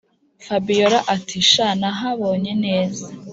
fabiora ati”sha nahabonye neza